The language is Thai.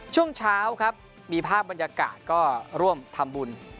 ช่วงเช้าครับมีภาพบรรยากาศก็ร่วมทำบุญ